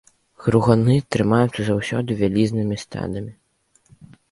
Груганы трымаюцца заўсёды вялізнымі стадамі.